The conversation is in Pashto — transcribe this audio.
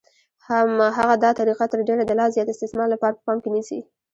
هغه دا طریقه تر ډېره د لا زیات استثمار لپاره په پام کې نیسي